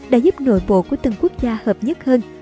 đã giúp nội bộ của từng quốc gia hợp nhất hơn